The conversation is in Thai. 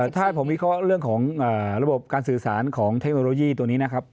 ถ้าผมวิเคราะห์เรื่องของระบบการสื่อสารของเทคโนโลยีตัวนี้นะครับ